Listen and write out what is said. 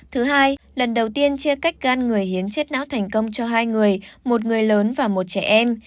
thứ hai lần đầu tiên chia cách gan người hiến chết não thành công cho hai người một người lớn và một trẻ em